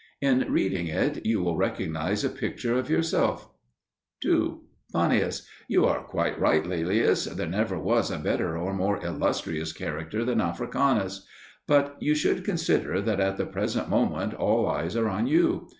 In reading it you will recognise a picture of yourself. 2. Fannius. You are quite right, Laelius! there never was a better or more illustrious character than Africanus. But you should consider that at the present moment all eyes are on you.